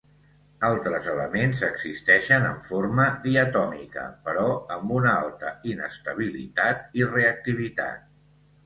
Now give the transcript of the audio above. Altres elements existeixen en forma diatòmica però amb una alta inestabilitat i reactivitat.